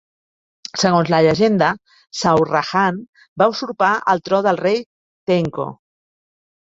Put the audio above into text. Segons la llegenda, Sawrahan va usurpar el tro del rei Theinko.